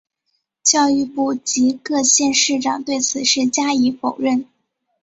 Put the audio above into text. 教育部及各县市长对此事加以否认。